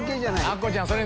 アッコちゃんそれ